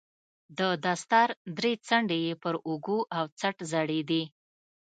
د دستار درې څنډې يې پر اوږو او څټ ځړېدې.